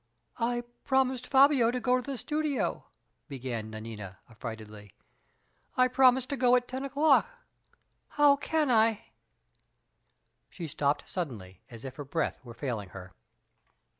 "I promised Fabio to go to the studio," began Nanina, affrightedly. "I promised to go at ten o'clock. How can I " She stopped suddenly, as if her breath were failing her.